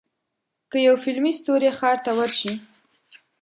که یو فلمي ستوری ښار ته ورشي.